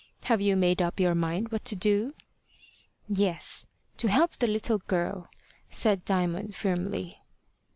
Have you made up your mind what to do?" "Yes; to help the little girl," said Diamond firmly.